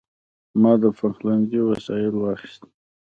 ما د پخلنځي وسایل واخیستل.